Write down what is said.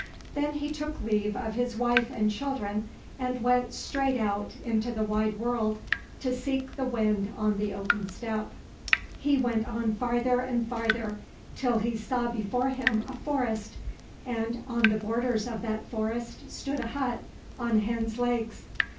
Then he took leave of his wife and children, and went straight out into the wide world to seek the Wind on the open steppe. He went on farther and farther till he saw before him a forest, and on the borders of that forest stood a hut on hens' legs.